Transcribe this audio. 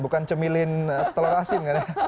bukan cemilin telur asin kan ya